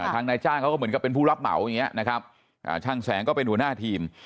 ทางนายจ้างเขาก็เหมือนเป็นผู้รับเหมาช่างแสงก็เป็นหัวหน้าทีม